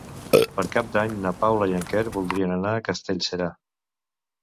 Per Cap d'Any na Paula i en Quer voldrien anar a Castellserà.